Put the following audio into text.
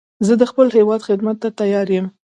زه د خپل هېواد خدمت ته تیار یم